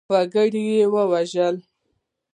وګړي وژل شوي.